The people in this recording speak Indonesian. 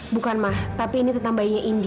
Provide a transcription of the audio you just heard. bukan ma tapi ini tetap bayinya indi